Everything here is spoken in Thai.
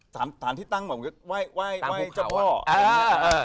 อ๋อสารที่ตั้งเหมือนว่าเว้ยเว้ยเว้ยเจ้าพ่ออะไรอย่างนี้